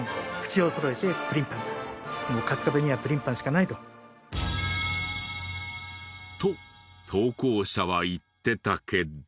「春日部にはプリンパンしかない！」と。と投稿者は言ってたけど。